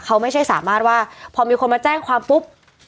เขาไม่ใช่สามารถว่าพอมีคนมาแจ้งความปุ๊บ